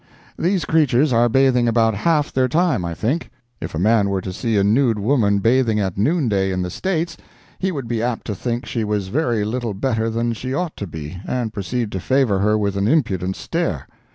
These creatures are bathing about half their time, I think. If a man were to see a nude woman bathing at noonday in the States, he would be apt to think she was very little better than she ought to be, and proceed to favor her with an impudent stare.